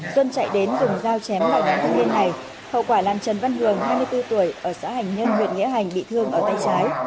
duân chạy đến dùng dao chém lại đánh thanh niên này hậu quả là trần văn hường hai mươi bốn tuổi ở xã hành nhân huyện nghĩa hành bị thương ở tay trái